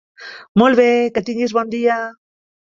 Molt bé, que tinguis bon dia.